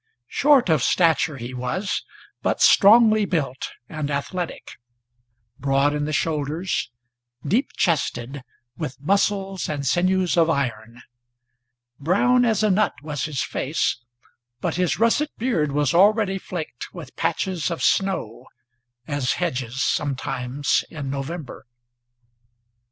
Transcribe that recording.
Short of stature he was, but strongly built and athletic, Broad in the shoulders, deep chested, with muscles and sinews of iron; Brown as a nut was his face, but his russet beard was already Flaked with patches of snow, as hedges sometimes in November.